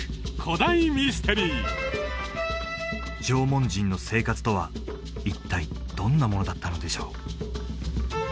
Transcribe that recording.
古代ミステリー縄文人の生活とは一体どんなものだったのでしょう？